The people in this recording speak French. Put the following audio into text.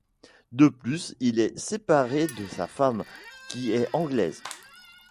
De plus, il est séparé de sa femme, qui est anglaise.